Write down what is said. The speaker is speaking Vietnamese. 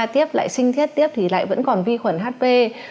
tiếp lại sinh thiết tiếp thì lại vẫn còn vi khuẩn hp